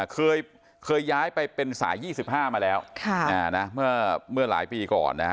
เคยย้ายไปเป็นสาย๒๕มาแล้วเมื่อหลายปีก่อนนะฮะ